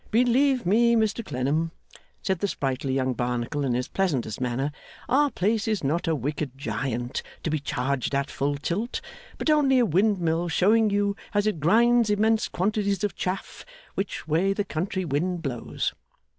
Believe me, Mr Clennam,' said the sprightly young Barnacle in his pleasantest manner, 'our place is not a wicked Giant to be charged at full tilt; but only a windmill showing you, as it grinds immense quantities of chaff, which way the country wind blows.